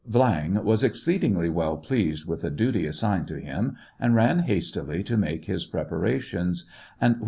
XX. Vlang was exceedingly well pleased with the duty assigned to him, and ran hastily to make his preparations, and, when h.